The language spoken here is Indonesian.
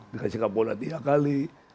dikasih sepak bola tiga kali